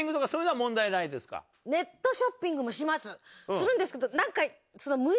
するんですけど何か。